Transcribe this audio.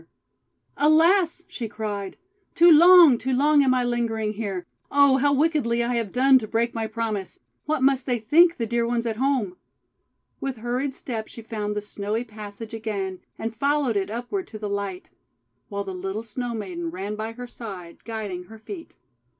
THE PROMISE BROKEN "ALAS!' she cried, 'too long, too long am I lingering here! Oh, how wickedly I have done to break my promise! What must they think, the dear ones at home?' With hurried step she found the snowy passage again, and followed it upward to the light; while the little Snow Maiden ran by her side, guiding her feet.